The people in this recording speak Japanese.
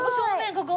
ここ。